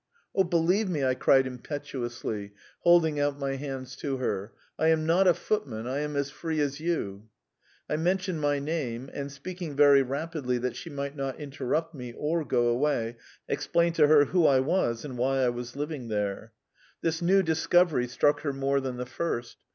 "Oh, believe me!" I cried impetuously, holding out my hands to her. "I am not a footman; I am as free as you." I mentioned my name, and, speaking very rapidly that she might not interrupt me or go away, explained to her who I was and why I was living there. This new discovery struck her more than the first.